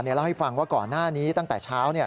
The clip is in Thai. เล่าให้ฟังว่าก่อนหน้านี้ตั้งแต่เช้า